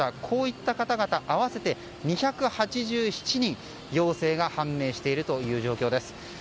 こういった方々合わせて２８７人陽性が判明している状況です。